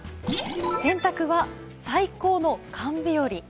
洗濯は最高のカン日和。